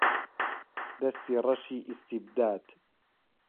دەستی ڕەشی ئیستیبداد